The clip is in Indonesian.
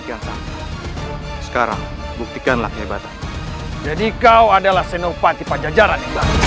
kiasan sekarang buktikanlah hebat jadi kau adalah senopati pajajaran